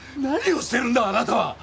何をしてるんだあなたは！